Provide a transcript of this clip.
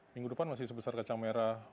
minggu depan masih sebesar kacang merah